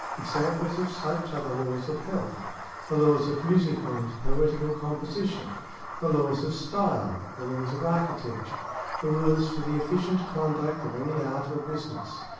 ^ Examples of such are the laws of health, the laws of musical and poetical composition, the laws of style, the laws of architecture, the rules for the efficient conduct of any art or business.